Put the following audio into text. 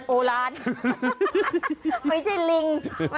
โอลานไม่ใช่ลิง